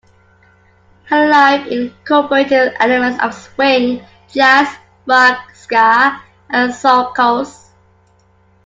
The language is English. High-life incorporated elements of swing, jazz, rock, ska and soukous.